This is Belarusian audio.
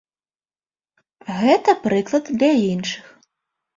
Гэта прыклад для іншых.